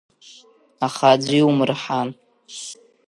Аха аӡәы иумырҳан!